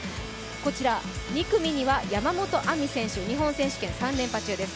こちら、２組には山本亜美選手、日本選手権３連覇中です。